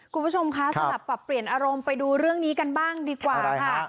คุณผู้ชมคะสลับปรับเปลี่ยนอารมณ์ไปดูเรื่องนี้กันบ้างดีกว่าค่ะ